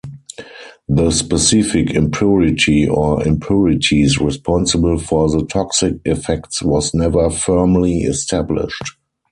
The specific impurity or impurities responsible for the toxic effects was never firmly established.